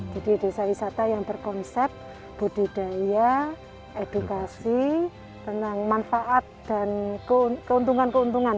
jadi desa wisata yang berkonsep budidaya edukasi tentang manfaat dan keuntungan keuntungan